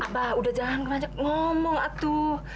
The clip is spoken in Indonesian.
apa udah jangan banyak ngomong atu